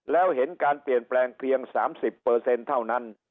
แล้วเห็นการเปลี่ยนแปลงเพียง๓๐เท่านั้น